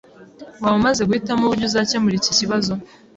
Waba umaze guhitamo uburyo uzakemura iki kibazo?